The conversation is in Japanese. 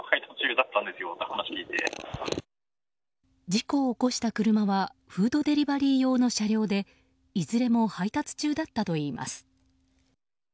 事故を起こした車はフードデリバリー用の車両でいずれも配達中だったといいます。